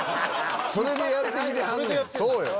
それでやって来てはんねん。